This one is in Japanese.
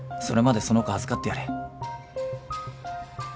それまでその子預かってやれ。